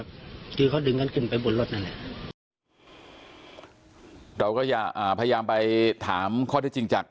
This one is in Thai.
พยายามไปถามข้อที่จริงจาก